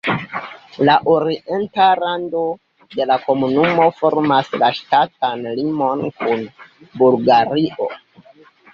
La orienta rando de la komunumo formas la ŝtatan limon kun Bulgario.